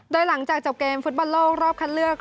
โดยหลังจากจบเกมฟุตบอลโลกรอบคัดเลือก